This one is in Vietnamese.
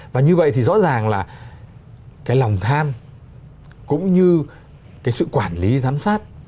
và như vậy thì rõ ràng là cái lòng tham cũng như cái sự quản lý giám sát